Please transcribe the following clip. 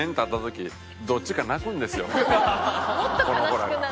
もっと悲しくなる。